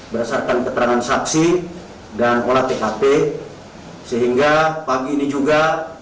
berdasarkan keterangan saksi dan olah tkp sehingga pagi ini juga